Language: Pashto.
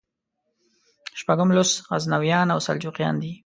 شپږم لوست غزنویان او سلجوقیان دي.